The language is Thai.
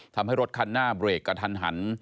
ทำให้รถคันหน้าเบรกกระทันหัน